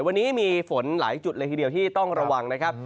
วันนี้มีฝนหลายจุดเลยทีเดียวที่ต้องระวังนะครับ